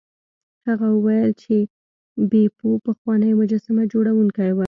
هغه وویل چې بیپو پخوانی مجسمه جوړونکی و.